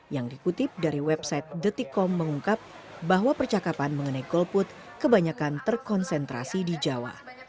yang dikutip dari website detikkom mengungkap bahwa percakapan mengenai golput kebanyakan terkonsentrasi di jawa